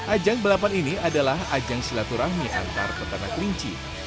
ajang balapan ini adalah ajang silaturahmi antar peternak kelinci